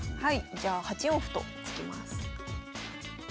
じゃあ８四歩と突きます。